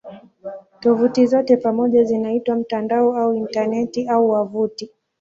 Tovuti zote pamoja zinaitwa "mtandao" au "Intaneti" au "wavuti".